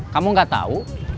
kamu nggak tahu